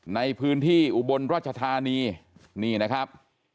ในพื้นที่อุบลราชธานีนี่นะครับ